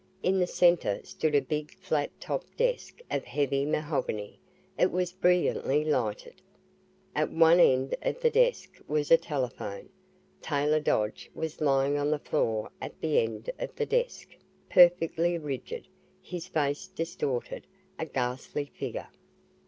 In the center stood a big flat topped desk of heavy mahogany. It was brilliantly lighted. At one end of the desk was a telephone. Taylor Dodge was lying on the floor at that end of the desk perfectly rigid his face distorted a ghastly figure.